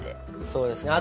そうですね